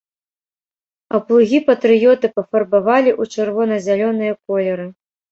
А плугі патрыёты пафарбавалі ў чырвона-зялёныя колеры.